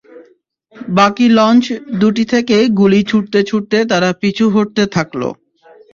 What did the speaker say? বাকি লঞ্চ দুটি থেকে গুলি ছুড়তে ছুড়তে তারা পিছু হটতে থাকল।